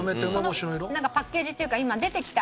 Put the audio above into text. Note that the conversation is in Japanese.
このなんかパッケージっていうか今出てきた。